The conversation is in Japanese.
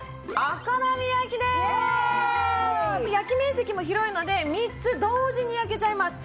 焼き面積も広いので３つ同時に焼けちゃいます。